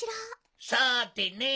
さてね！